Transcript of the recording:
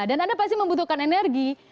dan anda pasti membutuhkan energi